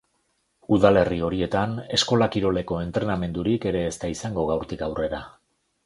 Udalerri horietan, eskola-kiroleko entrenamendurik ere ez da izango gaurtik aurrera.